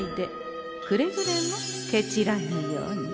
くれぐれもケチらぬように。